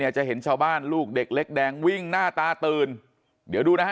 จะเห็นชาวบ้านลูกเด็กเล็กแดงวิ่งหน้าตาตื่นเดี๋ยวดูนะฮะ